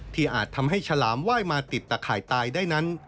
อาจทำให้ฉลามไหว้มาติดตะข่ายตายได้นั้น